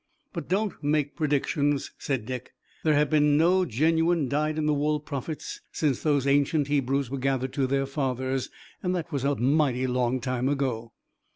"But don't make predictions," said Dick. "There have been no genuine, dyed in the wool prophets since those ancient Hebrews were gathered to their fathers, and that was a mighty long time ago."